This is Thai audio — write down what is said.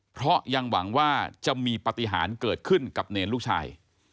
เพราะยังหวังว่าจะมีปฏิหารเกิดขึ้นกับเนรลูกชาย